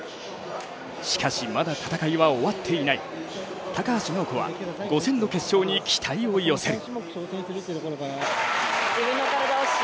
しかし、まだ戦いは終わっていない高橋尚子は、５０００の決勝に期待を寄せる。